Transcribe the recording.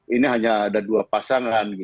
ini hanya ada dua pasangan